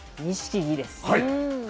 錦木です。